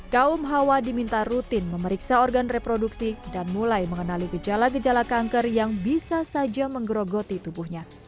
kaum hawa diminta rutin memeriksa organ reproduksi dan mulai mengenali gejala gejala kanker yang bisa saja menggerogoti tubuhnya